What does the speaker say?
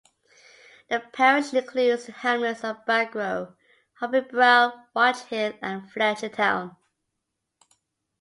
The parish includes the hamlets of Baggrow, Harbybrow, Watchhill, and Fletchertown.